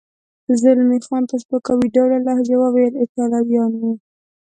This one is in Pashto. زلمی خان په سپکاوي ډوله لهجه وویل: ایټالویان و.